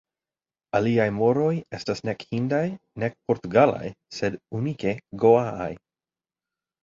Aliaj moroj estas nek hindaj nek portugalaj, sed unike goaaj.